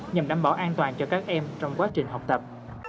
nhằm đảm bảo an toàn cho các em trong quá trình học tập